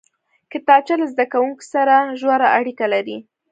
کتابچه له زده کوونکي سره ژوره اړیکه لري